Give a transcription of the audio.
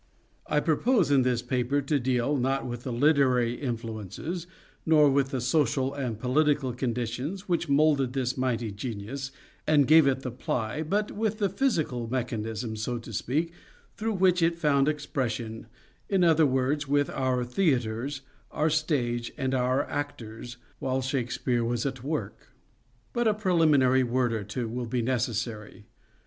I propose in this paper to deal, not with the literary influences nor with the social and political conditions which moulded this mighty genius and gave it the ply but with the physical mechanism, so to speak, through which it found expression — in other words, with our theatres, our stage and our actors, while Shakespeare was at work. But a preliminary word or two will be necessary.